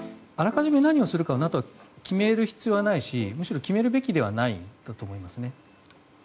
あらかじめ何をするかＮＡＴＯが決める必要はないしむしろ決めるべきではないと思います。